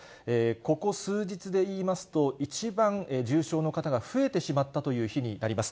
ここ数日でいいますと、一番重症の方が増えてしまったという日になります。